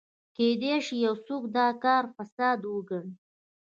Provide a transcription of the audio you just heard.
کېدای شي یو څوک دا کار فساد وګڼي.